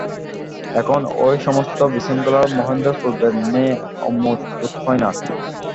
এখন এই-সমস্ত বিশৃঙ্খলায় মহেন্দ্রের পূর্বের ন্যায় আমোদ বোধ হয় না।